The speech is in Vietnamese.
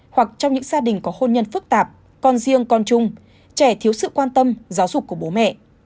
hoặc trong những gia đình có hôn nhân phức tạp con riêng con chung trẻ thiếu sự quan tâm giáo dục của bố mẹ